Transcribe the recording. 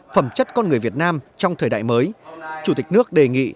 phẩm chất con người việt nam trong thời đại mới chủ tịch nước đề nghị